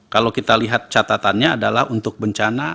kalau kita lihat catatannya adalah untuk bencana